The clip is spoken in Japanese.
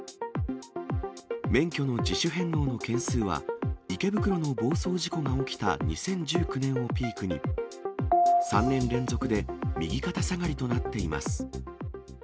免許の自主返納の件数は、池袋の暴走事故が起きた２０１９年をピークに、３年連続で右肩下がりとなっています。